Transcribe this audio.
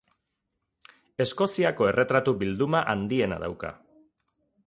Eskoziako erretratu bilduma handiena dauka.